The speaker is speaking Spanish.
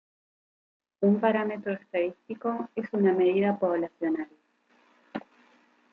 Un parámetro estadístico es una medida poblacional.